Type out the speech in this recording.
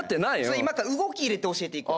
今から動き入れて教えていくわ。